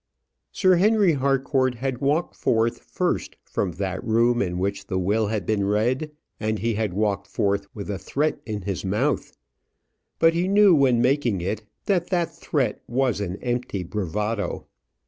Sir Henry Harcourt had walked forth first from that room in which the will had been read, and he had walked forth with a threat in his mouth. But he knew when making it that that threat was an empty bravado.